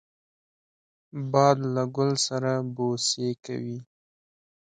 باد له ګل سره بوسې کوي